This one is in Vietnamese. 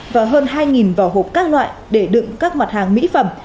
và hơn hai vỏ hộp các loại để đựng các mặt hàng mỹ phẩm